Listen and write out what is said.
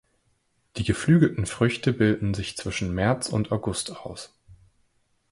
Die geflügelten Früchte bilden sich zwischen März und August aus.